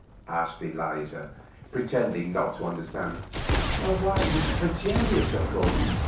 asked Eliza, pretending not to understand. "Why, Miss Fregelius, of course."